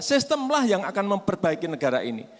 sistemlah yang akan memperbaiki negara ini